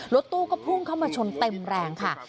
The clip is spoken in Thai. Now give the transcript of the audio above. รถตู้ก็พุ่งเข้ามาชนเต็มแรงค่ะ